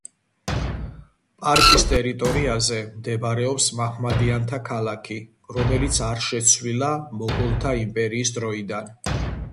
პარკის ტერიტორიაზე მდებარეობს მაჰმადიანთა ქალაქი, რომელიც არ შეცვლილა მოგოლთა იმპერიის დროიდან.